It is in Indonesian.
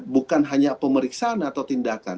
bukan hanya pemeriksaan atau tindakan